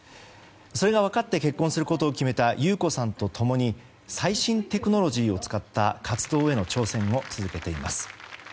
それが分かって結婚することを決めた木綿子さんと共に最新テクノロジーを使った活動への挑戦を続けています。